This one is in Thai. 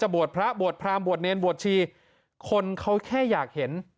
บวชพระบวชพรามบวชเนรบวชชีคนเขาแค่อยากเห็น